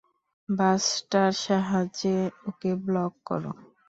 বাসটার সাহায্যে ওকে ব্লক করো!